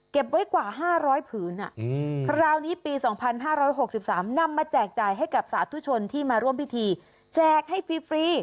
ไว้กว่า๕๐๐ผืนคราวนี้ปี๒๕๖๓นำมาแจกจ่ายให้กับสาธุชนที่มาร่วมพิธีแจกให้ฟรี